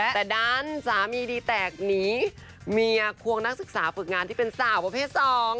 แต่ดันสามีดีแตกหนีเมียควงนักศึกษาฝึกงานที่เป็นสาวประเภท๒